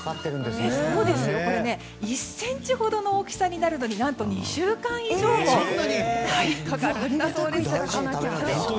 これ１ｃｍほどの大きさになるのに何と２週間以上もかかるんだそうです。